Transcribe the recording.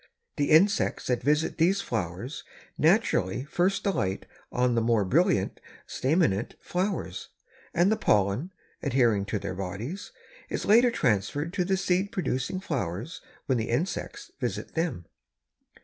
The insects that visit these flowers naturally first alight on the more brilliant staminate flowers, and the pollen, adhering to their bodies, is later transferred to the seed producing flowers when the insects visit them.